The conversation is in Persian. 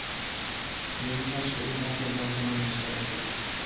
رییسش به او ده هزار تومان مساعده داد.